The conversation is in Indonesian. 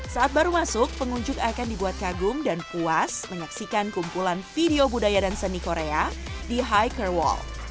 saat baru masuk pengunjuk akan dibuat kagum dan puas menyaksikan kumpulan video budaya dan seni korea di hiker wall